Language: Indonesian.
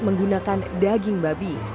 menggunakan daging babi